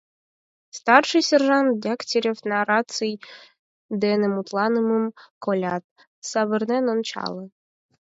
Старший сержант Дегтярев раций дене мутланымым колят, савырнен ончале.